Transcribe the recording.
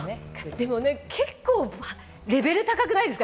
結構レベル高くないですか？